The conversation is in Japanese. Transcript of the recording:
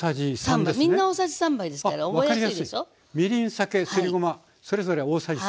酒すりごまそれぞれ大さじ３。